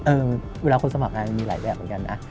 เวลาคนสมัครงานมันมีหลายแบบเหมือนกันนะ